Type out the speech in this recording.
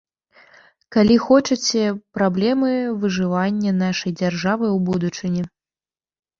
Калі хочаце, праблемы выжывання нашай дзяржавы ў будучыні.